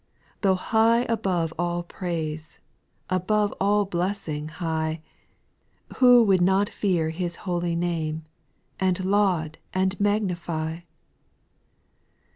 2. Though high above all praise. Above all blessing high, Who would not fear His holy name, And laud and magnify